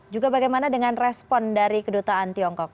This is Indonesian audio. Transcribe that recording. juga bagaimana dengan respon dari kedutaan tiongkok